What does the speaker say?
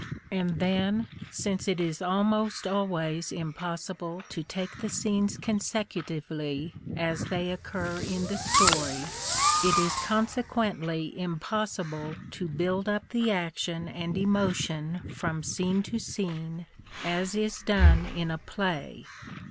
And then, since it is almost always impossible to take the scenes consecutively as they occur in the story, it is consequently impossible to build up the action ft 82 A KING IN BABYLON and emotion from scene to scene, as is done in a play.